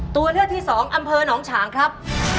ตัวเลือกที่สองอำเภอหนองฉางครับ